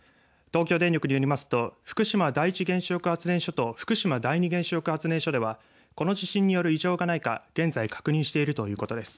東京電力によりますと福島第一原子力発電所と福島第二原子力発電所ではこの地震による異常がないか現在、確認しているということです。